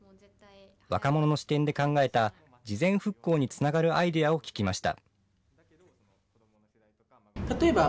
若者の視点で考えた事前復興につながるアイデアを聞きました。